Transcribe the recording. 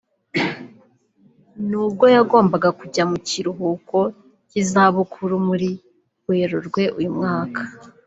nubwo yagombaga kujya mu kiruhuko cy’izabukuru muri Werurwe uyu mwaka